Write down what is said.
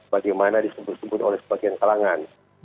bagaimana disebut sebut oleh sebagian kalangan